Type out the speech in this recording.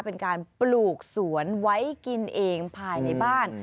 เป็นการปลูกสวนไว้กินเองภายในบ้าน